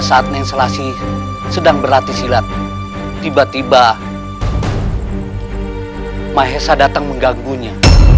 saat instalasi sedang berlatih silat tiba tiba mahesa datang mengganggunya